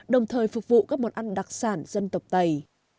đồng thời phục vụ các món ăn đặc sản dân tộc tây